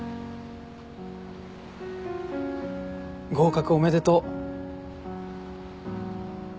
合格おめでとう。